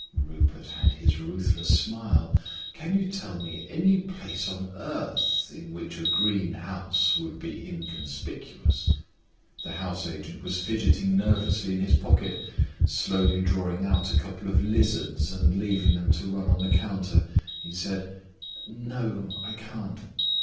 Rupert had his ruthless smile. "Can you tell me any place on earth in which a green house would be inconspicuous?" The house agent was fidgeting nervously in his pocket. Slowly drawing out a couple of lizards and leaving them to run on the counter, he said: "No; I can't."